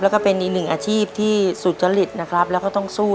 แล้วก็เป็นอีกหนึ่งอาชีพที่สุจริตนะครับแล้วก็ต้องสู้